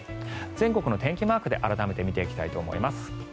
全国の天気マークで改めて見ていきたいと思います。